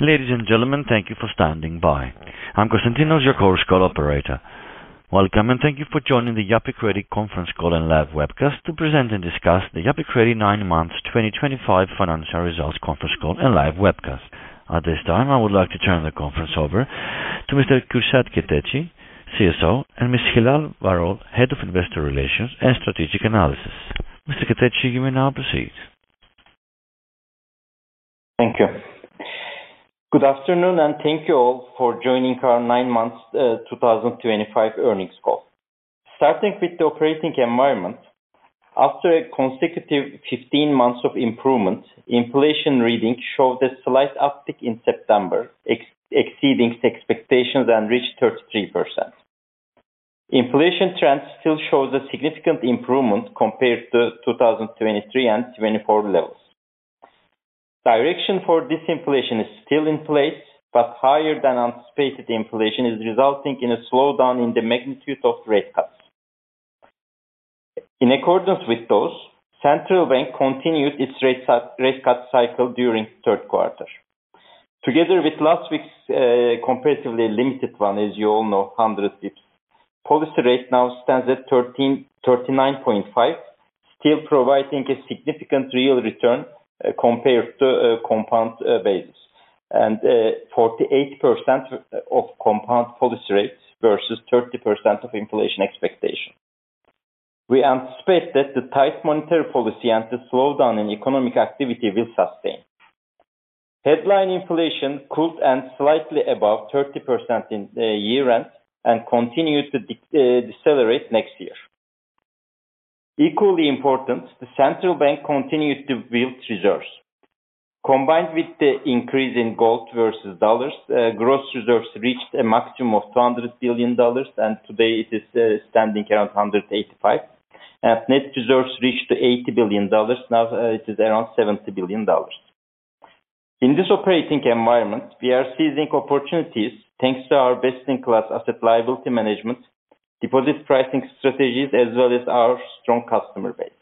Ladies and gentlemen, thank you for standing by. I'm Constantino, your call operator. Welcome, and thank you for joining Yapı Kredi conference call and live webcast to present and discuss the Yapı Kredi 9 Months 2025 financial results conference call and live webcast. At this time, I would like to turn the conference over to Mr. Kürşad Keteci, CSO, and Ms. Hilal Varol, Head of Investor Relations and Strategic Analysis. Mr. Keteci, you may now proceed. Thank you. Good afternoon, and thank you all for joining our 9 Months 2025 earnings call. Starting with the operating environment, after a consecutive 15 months of improvement, inflation readings showed a slight uptick in September, exceeding expectations and reached 33%. Inflation trend still shows a significant improvement compared to 2023 and 2024 levels. Direction for disinflation is still in place, but higher-than-anticipated inflation is resulting in a slowdown in the magnitude of rate cuts. In accordance with those, central bank continued its rate cut cycle during the third quarter. Together with last week's comparatively limited one, as you all know, 100 bps, policy rate now stands at 39.5%, still providing a significant real return compared to compound basis and 48% of compound policy rates versus 30% of inflation expectation. We anticipate that the tight monetary policy and the slowdown in economic activity will sustain. Headline inflation cooled and slightly above 30% in year-end and continued to decelerate next year. Equally important, the central bank continued to build reserves. Combined with the increase in gold versus dollars, gross reserves reached a maximum of $200 billion, and today it is standing around $185 billion. Net reserves reached $80 billion; now it is around $70 billion. In this operating environment, we are seizing opportunities thanks to our best-in-class asset-liability management, deposit pricing strategies, as well as our strong customer base.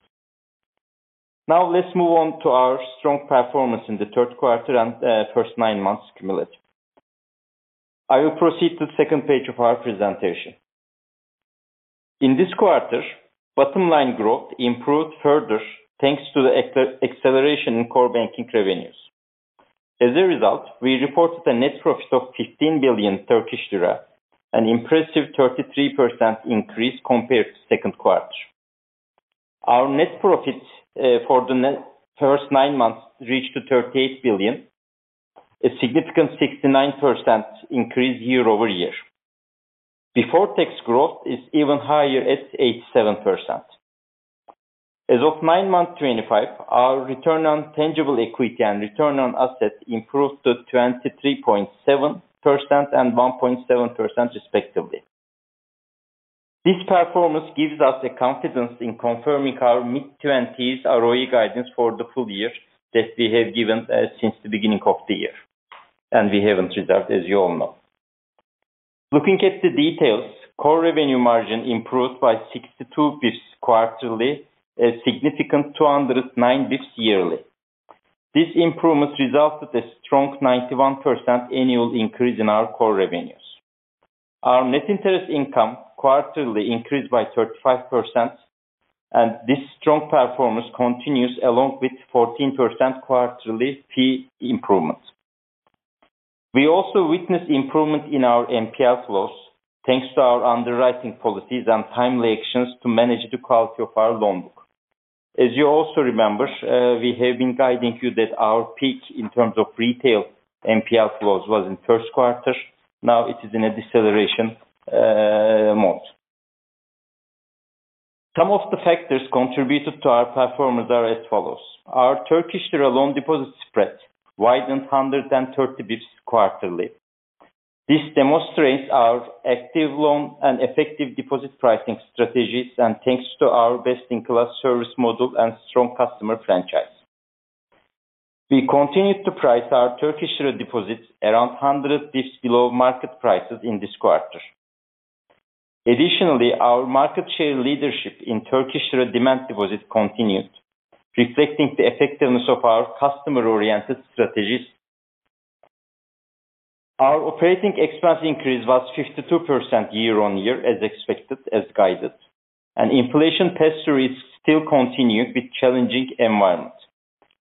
Now, let's move on to our strong performance in the third quarter and first nine months cumulative. I will proceed to the second page of our presentation. In this quarter, bottom line growth improved further thanks to the acceleration in core banking revenues. As a result, we reported a net profit of 15 billion Turkish lira, an impressive 33% increase compared to the second quarter. Our net profit for the first nine months reached 38 billion, a significant 69% increase year-over-year. Before-tax growth is even higher at 87%. As of 9 Months 2025, our return on tangible equity and return on assets improved to 23.7% and 1.7% respectively. This performance gives us the confidence in confirming our mid-20s ROE guidance for the full year that we have given since the beginning of the year, and we haven't reserved, as you all know. Looking at the details, core revenue margin improved by 62 bps quarterly, a significant 209 bps yearly. This improvement resulted in a strong 91% annual increase in our core revenues. Our net interest income quarterly increased by 35%. This strong performance continues along with 14% quarterly fee improvement. We also witnessed improvement in our NPL flows thanks to our underwriting policies and timely actions to manage the quality of our loan book. As you also remember, we have been guiding you that our peak in terms of retail NPL flows was in the first quarter. Now it is in a deceleration mode. Some of the factors contributed to our performance are as follows: our Turkish lira loan-deposit spread widened 130 bps quarterly. This demonstrates our active loan and effective deposit pricing strategies, and thanks to our best-in-class service model and strong customer franchise. We continued to price our Turkish lira deposits around 100 bps below market prices in this quarter. Additionally, our market share leadership in Turkish lira demand deposits continued, reflecting the effectiveness of our customer-oriented strategies. Our operating expense increase was 52% year-on-year, as expected, as guided, and inflation pressure is still continuing with a challenging environment.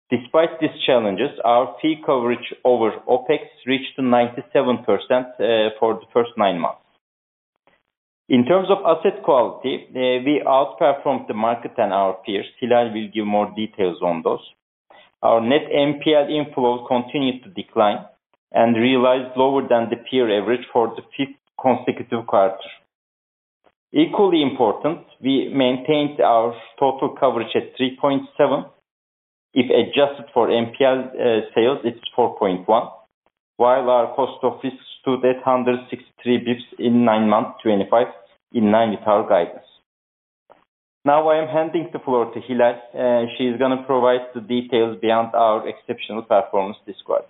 Despite these challenges, our fee coverage over OpEx reached 97% for the first nine months. In terms of asset quality, we outperformed the market and our peers. Hilal will give more details on those. Our net NPL inflow continued to decline and realized lower than the peer average for the fifth consecutive quarter. Equally important, we maintained our total coverage at 3.7. If adjusted for NPL sales, it's 4.1, while our cost of risk stood at 163 bps in nine months 2025, in line with our guidance. Now I am handing the floor to Hilal. She is going to provide the details beyond our exceptional performance this quarter.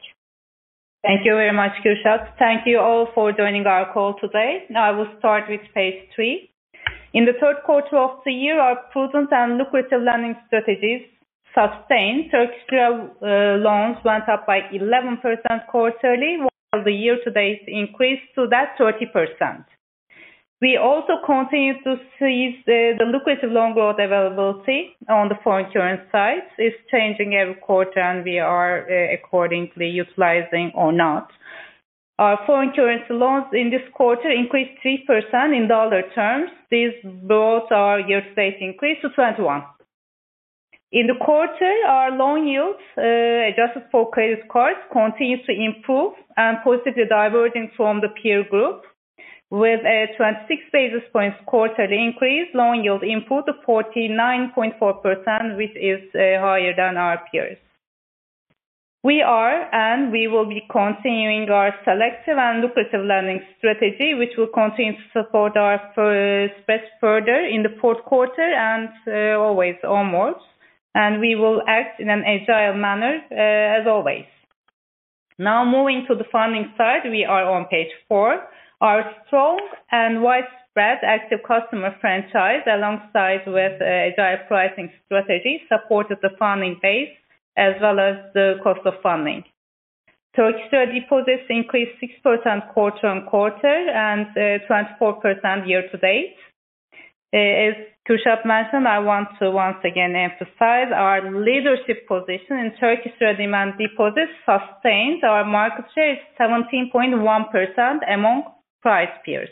Thank you very much, Kürşad. Thank you all for joining our call today. I will start with page three. In the third quarter of the year, our prudent and lucrative lending strategies sustained. Turkish lira loans went up by 11% quarterly, while the year-to-date increased to 30%. We also continue to see the lucrative loan growth availability on the foreign currency side. It's changing every quarter, and we are accordingly utilizing or not. Our foreign currency loans in this quarter increased 3% in dollar terms. This brought our year-to-date increase to 21%. In the quarter, our loan yields, adjusted for credit cards, continued to improve and positively diverging from the peer group. With a 26 basis points quarterly increase, loan yield improved to 49.4%, which is higher than our peers. We are, and we will be, continuing our selective and lucrative lending strategy, which will continue to support our spread further in the fourth quarter and always onwards. We will act in an agile manner, as always. Now moving to the funding side, we are on page four. Our strong and widespread active customer franchise, alongside with agile pricing strategy, supported the funding base as well as the cost of funding. Turkish lira deposits increased 6% quarter on quarter and 24% year-to-date. As Kürşad mentioned, I want to once again emphasize our leadership position in Turkish lira demand deposits sustained our market share at 17.1% among price peers.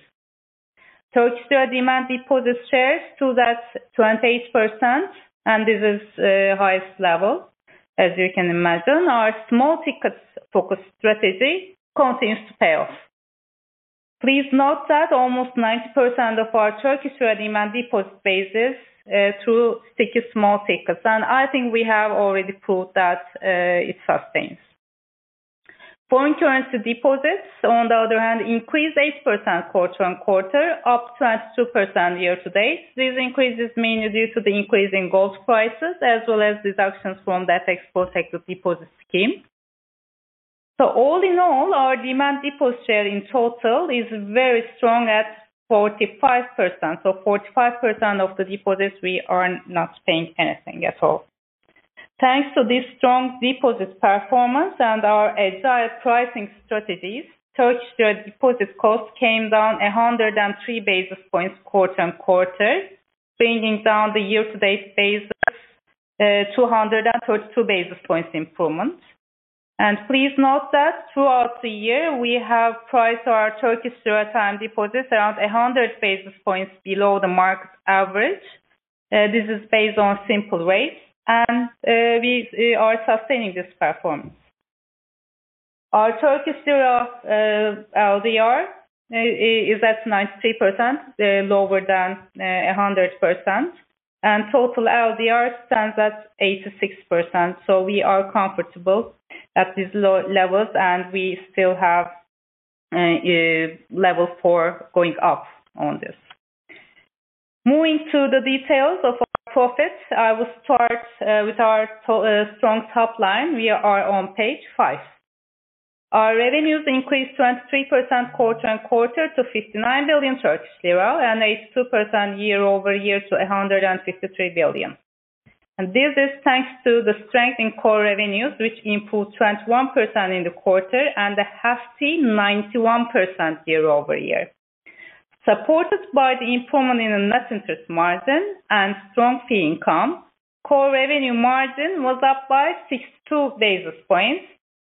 Turkish lira demand deposits share stood at 28%, and this is the highest level. As you can imagine, our small tickets focus strategy continues to pay off. Please note that almost 90% of our Turkish lira demand deposit base is through sticky small tickets, and I think we have already proved that it sustains. Foreign currency deposits, on the other hand, increased 8% quarter on quarter, up 22% year-to-date. These increases mainly due to the increase in gold prices as well as deductions from that export-active deposit scheme. All in all, our demand deposit share in total is very strong at 45%. For 45% of the deposits, we are not paying anything at all. Thanks to this strong deposit performance and our agile pricing strategies, Turkish lira deposit costs came down 103 basis points quarter on quarter, bringing down the year-to-date basis to 132 basis points improvement. Please note that throughout the year, we have priced our Turkish lira time deposits around 100 basis points below the market average. This is based on simple rates, and we are sustaining this performance. Our Turkish lira LDR is at 93%, lower than 100%, and total LDR stands at 86%. We are comfortable at these low levels, and we still have level four going up on this. Moving to the details of our profits, I will start with our strong top line. We are on page five. Our revenues increased 23% quarter on quarter to 59 billion Turkish lira and 82% year-over-year to 153 billion. This is thanks to the strength in core revenues, which improved 21% in the quarter and a hefty 91% year-over-year. Supported by the improvement in the net interest margin and strong fee income, core revenue margin was up by 62 basis points.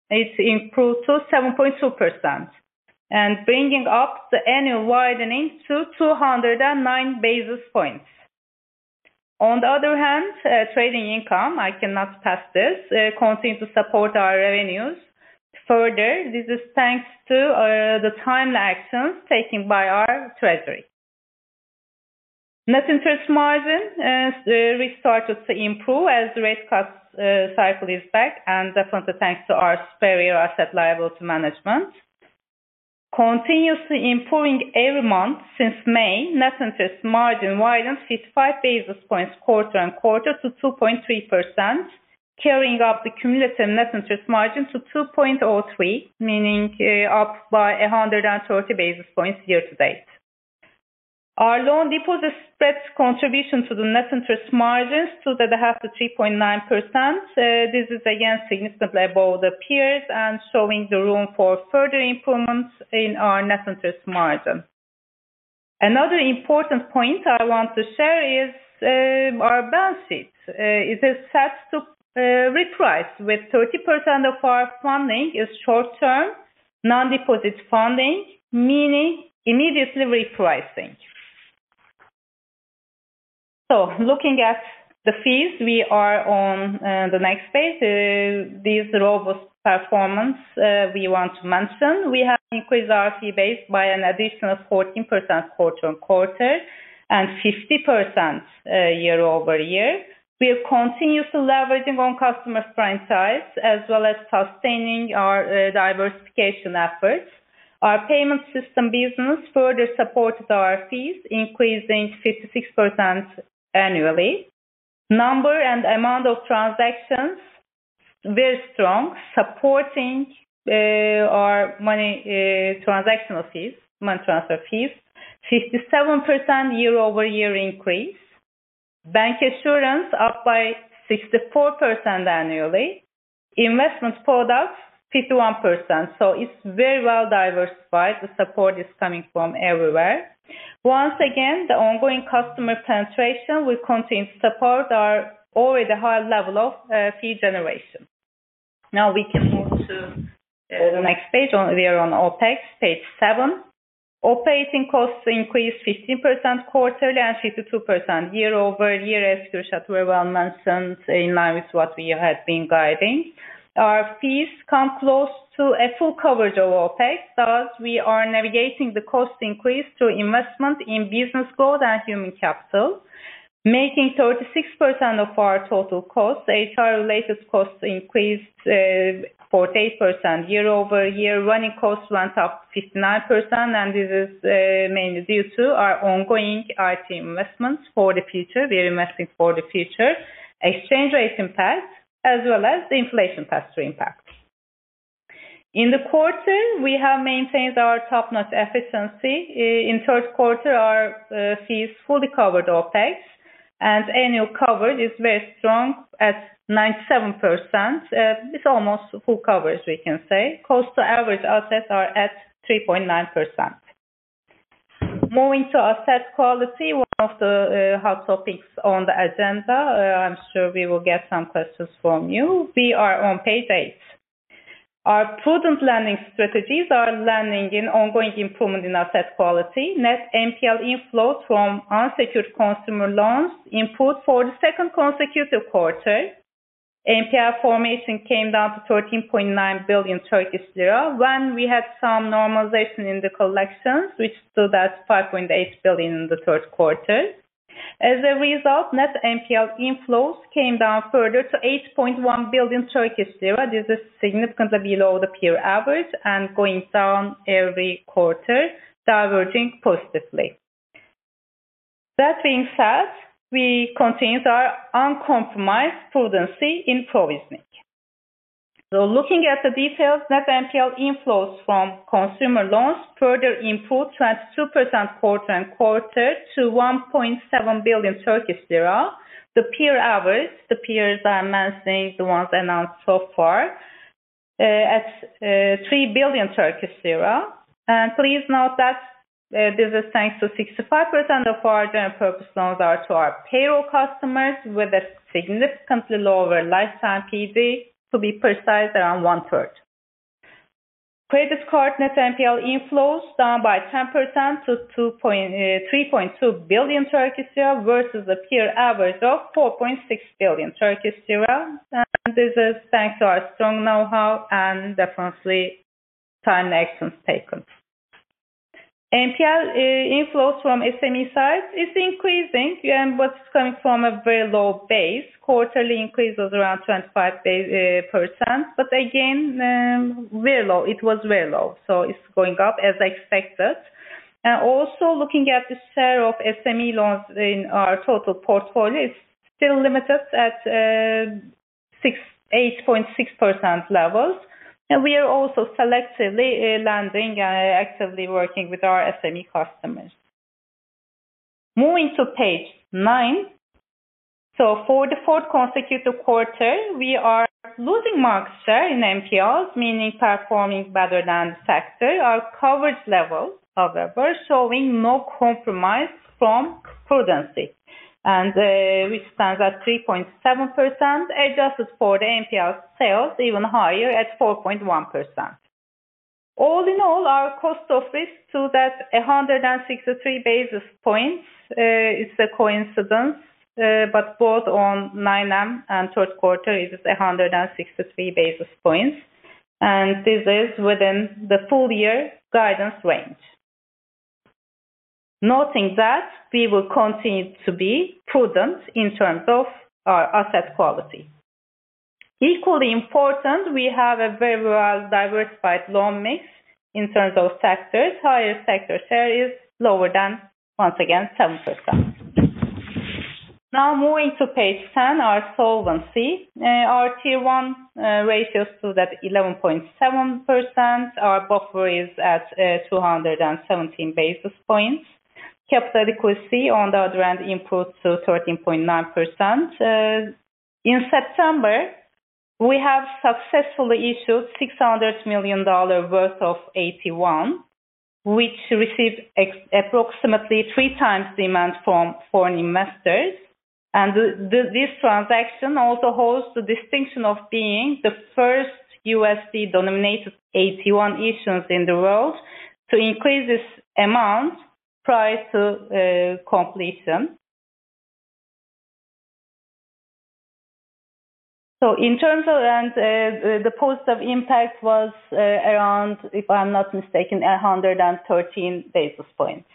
It improved to 7.2%, bringing up the annual widening to 209 basis points. On the other hand, trading income, I cannot pass this, continued to support our revenues further. This is thanks to the timely actions taken by our treasury. Net interest margin restarted to improve as the rate cut cycle is back, and definitely thanks to our superior asset-liability management. Continuously improving every month since May, net interest margin widened 55 basis points quarter on quarter to 2.3%, carrying up the cumulative net interest margin to 2.03%, meaning up by 130 basis points year-to-date. Our loan-deposit spread contribution to the net interest margin stood at a hefty 3.9%. This is again significantly above the peers and showing the room for further improvements in our net interest margin. Another important point I want to share is our balance sheet. It is set to reprice with 30% of our funding as short-term non-deposit funding, meaning immediately repricing. Looking at the fees, we are on the next page. This robust performance we want to mention. We have increased our fee base by an additional 14% quarter on quarter and 50% year-over-year. We are continuously leveraging on customer franchise as well as sustaining our diversification efforts. Our payment system business further supported our fees, increasing 56% annually. Number and amount of transactions, very strong, supporting our money transactional fees, money transfer fees, 57% year-over-year increase. Bank assurance up by 64% annually. Investment products 51%. It is very well diversified. The support is coming from everywhere. Once again, the ongoing customer penetration, we continue to support our already high level of fee generation. Now we can move to the next page. We are on OpEx, page seven. Operating costs increased 15% quarterly and 52% year-over-year, as Kürşad very well mentioned, in line with what we had been guiding. Our fees come close to a full coverage of OpEx, but we are navigating the cost increase through investment in business growth and human capital, making 36% of our total costs. HR-related costs increased 48% year-over-year. Running costs went up 59%, and this is mainly due to our ongoing IT investments for the future. We are investing for the future. Exchange rate impact, as well as the inflation factor impact. In the quarter, we have maintained our top-notch efficiency. In the third quarter, our fees fully covered OpEx, and annual coverage is very strong at 97%. It's almost full coverage, we can say. Cost-to-average assets are at 3.9%. Moving to asset quality, one of the hot topics on the agenda. I'm sure we will get some questions from you. We are on page eight. Our prudent lending strategies are lending in ongoing improvement in asset quality, net NPL inflows from unsecured consumer loans input for the second consecutive quarter. NPL formation came down to 13.9 billion Turkish lira when we had some normalization in the collections, which stood at 5.8 billion in the third quarter. As a result, net NPL inflows came down further to 8.1 billion Turkish lira. This is significantly below the peer average and going down every quarter, diverging positively. That being said, we continue our uncompromised prudency in provisioning. Looking at the details, net NPL inflows from consumer loans further improved 22% quarter on quarter to 1.7 billion Turkish lira. The peer average, the peers I'm mentioning, the ones announced so far, at 3 billion. Please note that this is thanks to 65% of our general purpose loans are to our payroll customers, with a significantly lower lifetime PV, to be precise, around one-third. Credit card net NPL inflows down by 10% to 3.2 billion versus the peer average of 4.6 billion. This is thanks to our strong know-how and definitely timely actions taken. NPL inflows from SME sides is increasing, and what is coming from a very low base. Quarterly increase was around 25%, but again, very low. It was very low. It's going up as expected. Also looking at the share of SME loans in our total portfolio, it's still limited at 8.6% levels. We are also selectively lending and actively working with our SME customers. Moving to page nine. For the fourth consecutive quarter, we are losing market share in NPLs, meaning performing better than the sector. Our coverage levels, however, show no compromise from prudency, and which stands at 3.7%, adjusted for the NPL sales, even higher at 4.1%. All in all, our cost of risk stood at 163 basis points. It's a coincidence, but both on nine and third quarter, it is 163 basis points, and this is within the full-year guidance range. Noting that, we will continue to be prudent in terms of our asset quality. Equally important, we have a very well-diversified loan mix in terms of sectors. Higher sector share is lower than, once again, 7%. Now moving to page 10, our solvency. Our Tier 1 ratios stood at 11.7%. Our buffer is at 217 basis points. Capital equity, on the other hand, improved to 13.9% in September. We have successfully issued $600 million worth of AT1, which received approximately three times demand from foreign investors. This transaction also holds the distinction of being the first USD-denominated AT1 issuance in the world to increase this amount prior to completion. In terms of, and the positive impact was around, if I'm not mistaken, 113 basis points.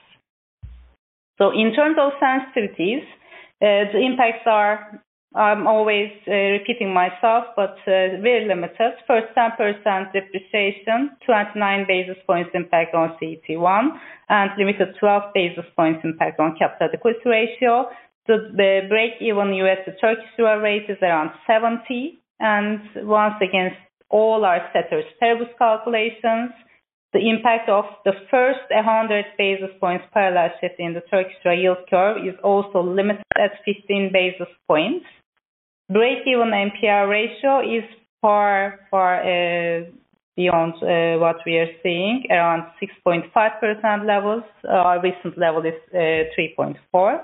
In terms of sensitivities, the impacts are, I'm always repeating myself, but very limited. First 10% depreciation, 29 basis points impact on CET1, and limited 12 basis points impact on capital equity ratio. The break-even USD-Turkish lira rate is around 70. Once again, all our sector service calculations, the impact of the first 100 basis points parallel shift in the Turkish lira yield curve is also limited at 15 basis points. Break-even NPL ratio is far, far beyond what we are seeing, around 6.5% levels. Our recent level is 3.4%.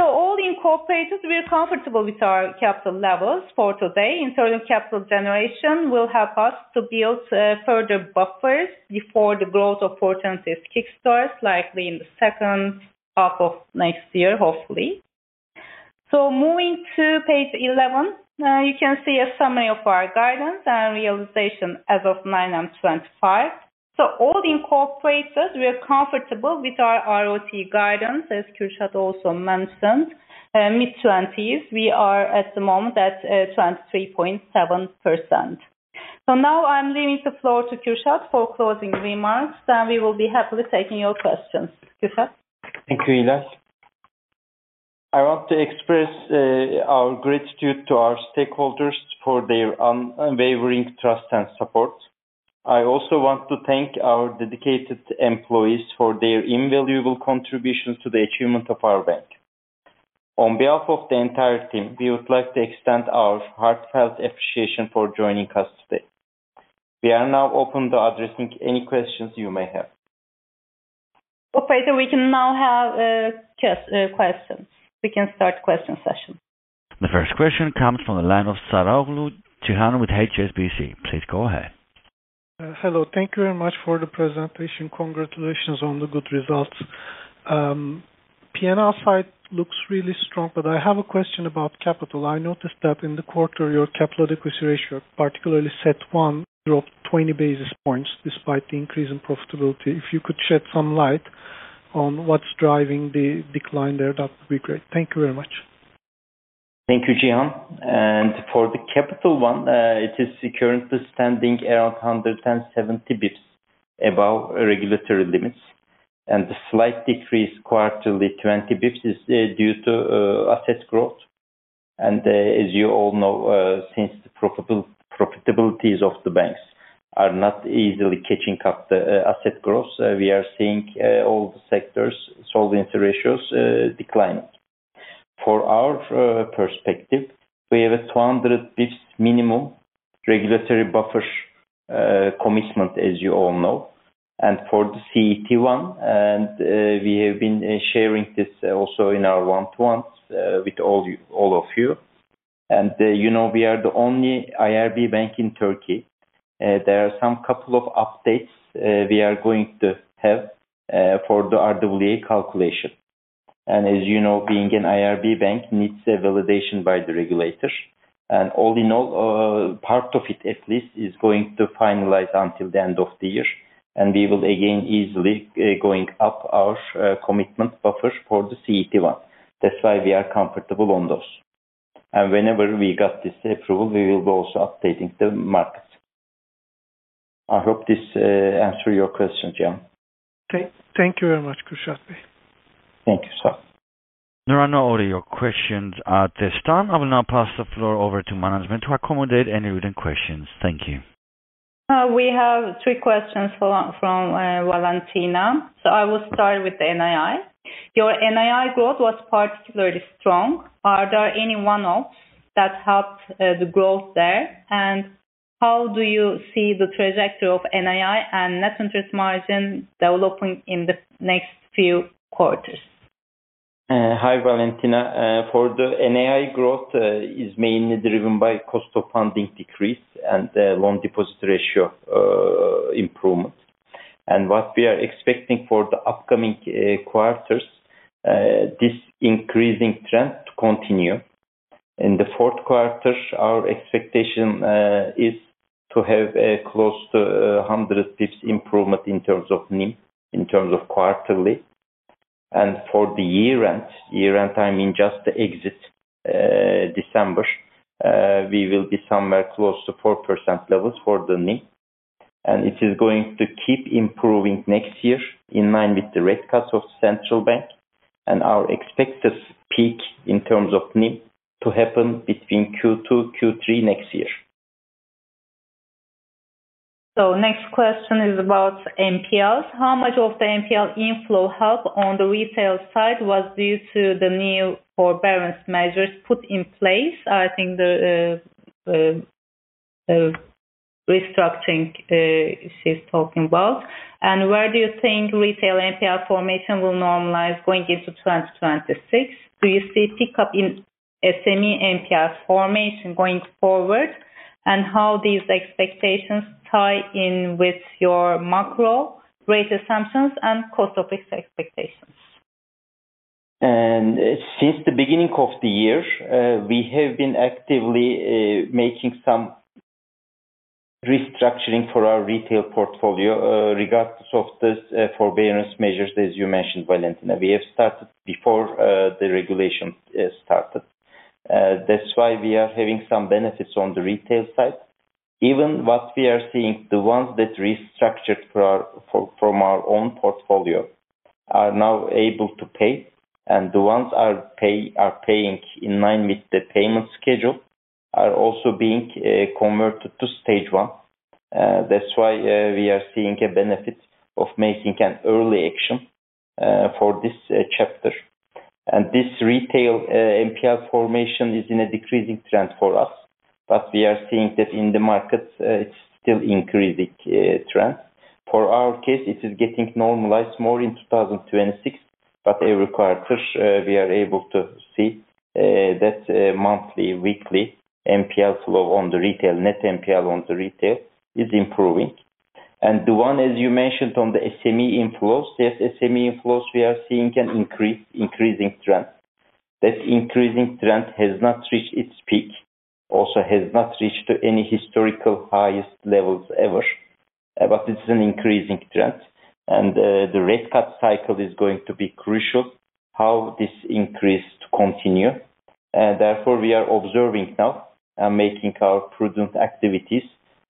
All incorporated, we are comfortable with our capital levels for today. In terms of capital generation, will help us to build further buffers before the growth opportunities kickstart, likely in the second half of next year, hopefully. Moving to page 11, you can see a summary of our guidance and realization as of nine and 25. All incorporated, we are comfortable with our ROE guidance, as Kürşad also mentioned. Mid-20s, we are at the moment at 23.7%. Now I'm leaving the floor to Kürşad for closing remarks, and we will be happily taking your questions. Kürşad. Thank you, Hilal. I want to express our gratitude to our stakeholders for their unwavering trust and support. I also want to thank our dedicated employees for their invaluable contributions to the achievement of our bank. On behalf of the entire team, we would like to extend our heartfelt appreciation for joining us today. We are now open to addressing any questions you may have. We can start the question session. The first question comes from the line of Cihan Saraçoğlu with HSBC. Please go ahead. Hello, thank you very much for the presentation. Congratulations on the good results. P&L side looks really strong, but I have a question about capital. I noticed that in the quarter, your capital equity ratio, particularly CET1, dropped 20 basis points despite the increase in profitability. If you could shed some light on what's driving the decline there, that would be great. Thank you very much. Thank you, Cihan. For the capital one, it is currently standing around 170 bps above regulatory limits. The slight decrease, quarterly 20 bps, is due to asset growth. As you all know, since the profitabilities of the banks are not easily catching up the asset growth, we are seeing all the sector's solvency ratios declining. From our perspective, we have a 200 bps minimum regulatory buffer commitment, as you all know. For the CET1, we have been sharing this also in our one-to-ones with all of you. You know we are the only IRB bank in Turkish. There are some couple of updates we are going to have for the RWA calculation. As you know, being an IRB bank needs validation by the regulator. All in all, part of it at least is going to finalize until the end of the year. We will again easily be going up our commitment buffer for the CET1. That's why we are comfortable on those. Whenever we got this approval, we will be also updating the markets. I hope this answers your questions, Cihan. Thank you very much, Kürşad. Thank you, sir. There are no other questions at this time. I will now pass the floor over to management to accommodate any reading questions. Thank you. We have three questions from Valentina. I will start with NII. Your NII growth was particularly strong. Are there any one-offs that helped the growth there? How do you see the trajectory of NII and net interest margin developing in the next few quarters? Hi, Valentina. For the NII growth, it is mainly driven by cost of funding decrease and loan-deposit ratio improvement. What we are expecting for the upcoming quarters. This increasing trend to continue. In the fourth quarter, our expectation is to have a close to 100 bps improvement in terms of NIM, in terms of quarterly. For the year-end, year-end, I mean just the exit. December. We will be somewhere close to 4% levels for the NIM. It is going to keep improving next year in line with the rate cuts of the central bank. Our expected peak in terms of NIM to happen between Q2 and Q3 next year. Next question is about NPLs. How much of the NPL inflow help on the retail side was due to the new forbearance measures put in place? I think the restructuring she's talking about. Where do you think retail NPL formation will normalize going into 2026? Do you see pickup in SME NPL formation going forward? How do these expectations tie in with your macro rate assumptions and cost of risk expectations? Since the beginning of the year, we have been actively making some restructuring for our retail portfolio regardless of the forbearance measures, as you mentioned, Valentina. We have started before the regulation started. That's why we are having some benefits on the retail side. Even what we are seeing, the ones that restructured from our own portfolio are now able to pay. The ones that are paying in line with the payment schedule are also being converted to stage one. That's why we are seeing a benefit of making an early action for this chapter. This retail NPL formation is in a decreasing trend for us. We are seeing that in the markets, it's still increasing trend. For our case, it is getting normalized more in 2026. Every quarter, we are able to see that monthly, weekly NPL flow on the retail, net NPL on the retail is improving. The one, as you mentioned, on the SME inflows, yes, SME inflows we are seeing an increasing trend. That increasing trend has not reached its peak, also has not reached any historical highest levels ever. It's an increasing trend. The rate cut cycle is going to be crucial, how this increase to continue. Therefore, we are observing now and making our prudent activities.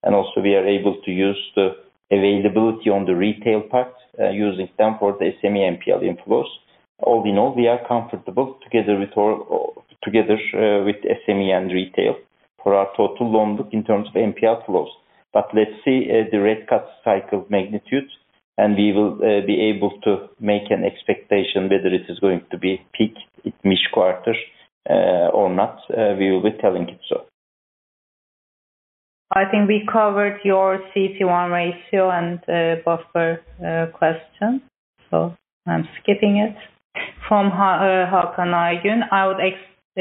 We are able to use the availability on the retail part, using them for the SME NPL inflows. All in all, we are comfortable together with SME and retail for our total loan book in terms of NPL flows. Let's see the rate cut cycle magnitude, and we will be able to make an expectation whether it is going to be peak each quarter or not. We will be telling it so. I think we covered your CET1 ratio and buffer question, so I'm skipping it. From Hakan Ergün, I would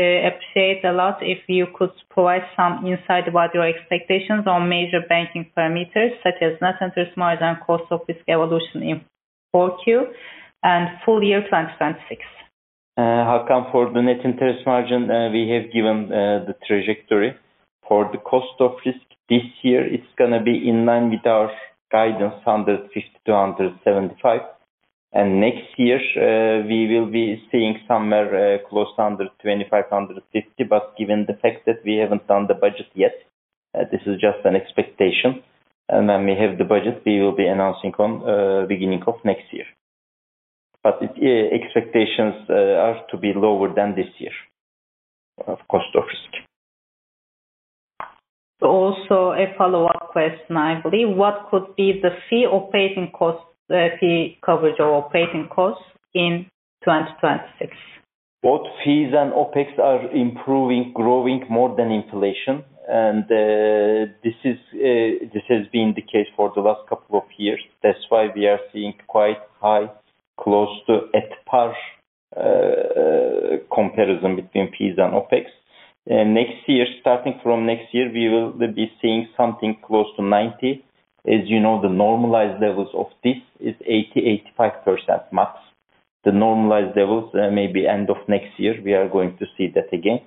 appreciate a lot if you could provide some insight about your expectations on major banking parameters such as net interest margin and cost of risk evolution in 4Q and full year 2026. Hakan, for the net interest margin, we have given the trajectory. For the cost of risk this year, it's going to be in line with our guidance, 150 to 175. Next year, we will be seeing somewhere close to 125, 150, but given the fact that we haven't done the budget yet, this is just an expectation. When we have the budget, we will be announcing at the beginning of next year. Expectations are to be lower than this year of cost of risk. Also, a follow-up question, I believe. What could be the fee operating cost, fee coverage of operating costs in 2026? Both fees and OpEx are improving, growing more than inflation. This has been the case for the last couple of years. That's why we are seeing quite high, close to at par, comparison between fees and OpEx. Starting from next year, we will be seeing something close to 90. As you know, the normalized levels of this is 80, 85% max. The normalized levels may be end of next year. We are going to see that again.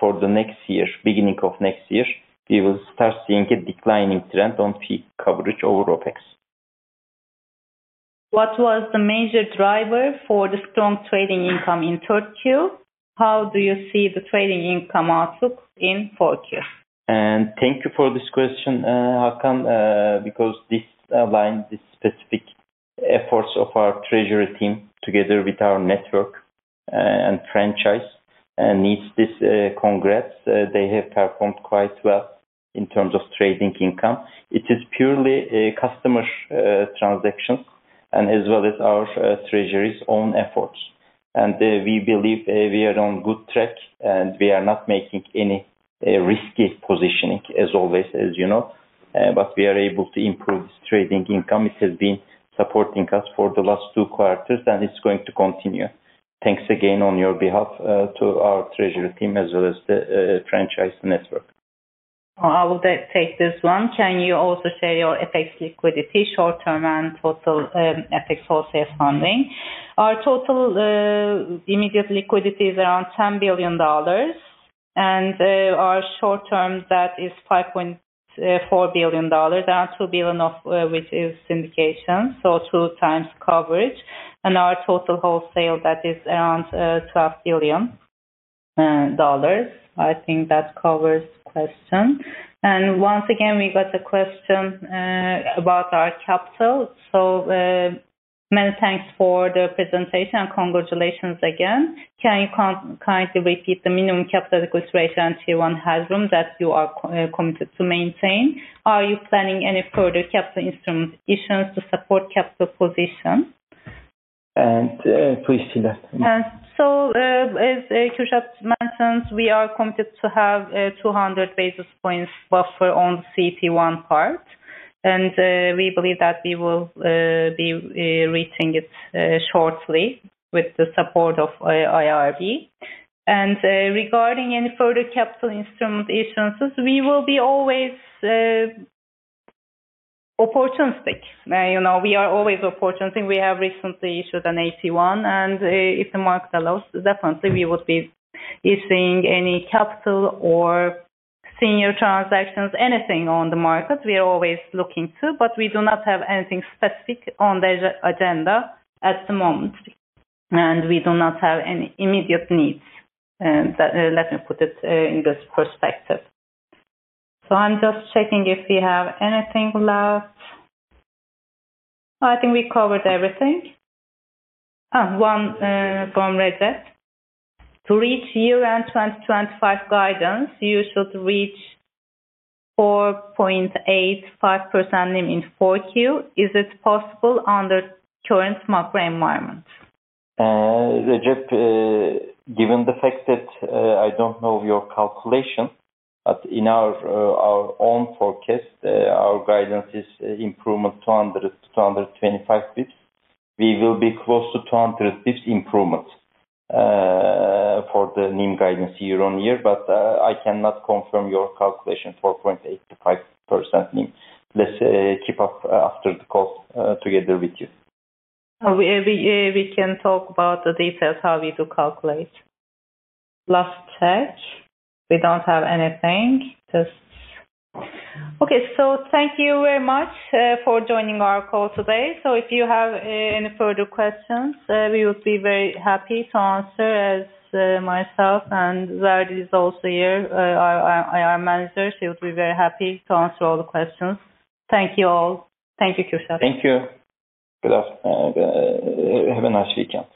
For the next year, beginning of next year, we will start seeing a declining trend on fee coverage over OpEx. What was the major driver for the strong trading income in 3Q? How do you see the trading income outlook in 4Q? Thank you for this question, Hakan, because this aligns with the specific efforts of our treasury team together with our network. The franchise needs this congrats. They have performed quite well in terms of trading income. It is purely customer transactions and as well as our treasury's own efforts. We believe we are on good track, and we are not making any risky positioning, as always, as you know. We are able to improve this trading income. It has been supporting us for the last two quarters, and it's going to continue. Thanks again on your behalf to our treasury team as well as the franchise network. I will take this one. Can you also share your FX liquidity, short-term and total FX wholesale funding? Our total immediate liquidity is around $10 billion. Our short-term, that is $5.4 billion, around $2 billion, which is syndication, so two times coverage. Our total wholesale, that is around $12 billion. I think that covers the question. We got a question about our capital. Many thanks for the presentation and congratulations again. Can you kindly repeat the minimum capital equilibration and Tier 1 headroom that you are committed to maintain? Are you planning any further capital instrument issues to support capital position? Please fill that. As Kürşad mentioned, we are committed to have a 200 basis points buffer on the CET1 part. We believe that we will be reaching it shortly with the support of IRB. Regarding any further capital instrument issuances, we are always opportunistic. We have recently issued an AT1, and if the market allows, definitely we would be issuing any capital or senior transactions, anything on the market. We are always looking to, but we do not have anything specific on the agenda at the moment. We do not have any immediate needs. Let me put it in this perspective. I'm just checking if we have anything left. I think we covered everything. One from Red Zep. To reach year-end 2025 guidance, you should reach 4.85% NIM in 4Q. Is it possible under current macro environment? Red Zep, given the fact that I don't know your calculation, but in our own forecast, our guidance is improvement to 225 bps. We will be close to 200 bps improvement for the NIM guidance year-on-year, but I cannot confirm your calculation, 4.85% NIM. Let's keep up after the call together with you. We can talk about the details, how we do calculate. Last check. We don't have anything. Thank you very much for joining our call today. If you have any further questions, we would be very happy to answer as myself and Zahra is also here, our manager, she would be very happy to answer all the questions. Thank you all. Thank you, Kürşad. Thank you. Good afternoon. Have a nice weekend.